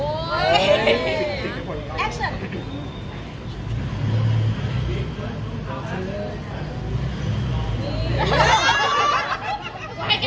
แอช่วง